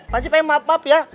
pak ancik peng maaf maaf ya